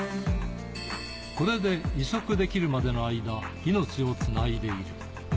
これで移植できるまでの間、命をつないでいる。